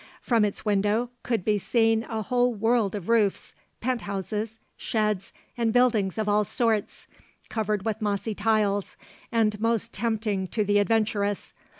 From its window could be seen a whole world of roofs, penthouses, sheds, and buildings of all sorts, covered with mossy tiles, and most tempting to the adventurous.